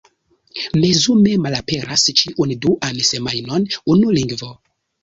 Mezume malaperas ĉiun duan semajnon unu lingvo.